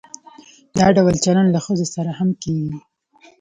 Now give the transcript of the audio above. دا ډول چلند له ښځو سره هم کیږي.